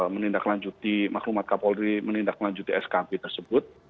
menindaklanjuti maklumat kapolri menindaklanjuti skp tersebut